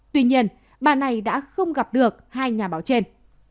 tuy nhiên bà này đã không gặp được hai nhà báo trên